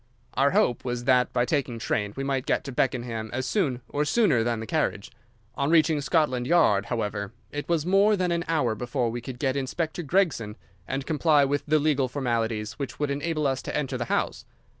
Our hope was that, by taking train, we might get to Beckenham as soon or sooner than the carriage. On reaching Scotland Yard, however, it was more than an hour before we could get Inspector Gregson and comply with the legal formalities which would enable us to enter the house.